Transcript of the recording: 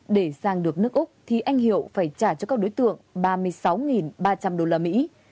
để sang được nước úc thì anh hiệu phải trả cho các đối tượng ba mươi sáu ba trăm linh đô la mỹ